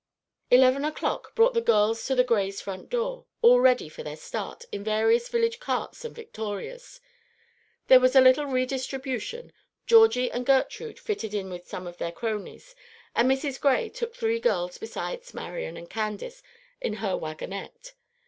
Eleven o'clock brought the girls to the Grays' front door, all ready for their start, in various village carts and victorias. There was a little re distribution: Georgie and Gertrude fitted in with some of their cronies, and Mrs. Gray took three girls besides Marian and Candace in her wagonette.